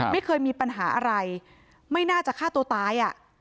ไม่เคยมีปัญหาอะไรไม่น่าจะฆ่าตัวตายอ่ะ